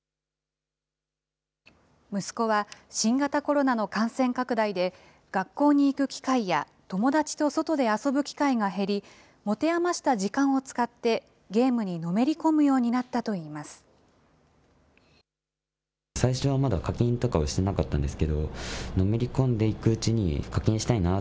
息子は、新型コロナの感染拡大で、学校に行く機会や友達と外で遊ぶ機会が減り、持て余した時間を使ってゲームにのめり込むようになったといいます。